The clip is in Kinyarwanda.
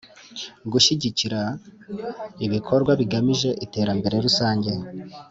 Gushyigikira ibikorwa bigamije iterambere rusange